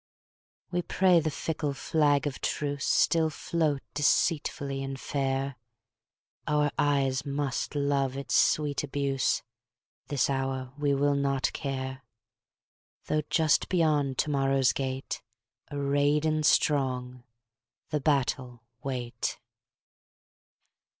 We pray the fickle flag of truceStill float deceitfully and fair; Our eyes must love its sweet abuse; This hour we will not care, Though just beyond to morrow's gate, Arrayed and strong, the battle wait.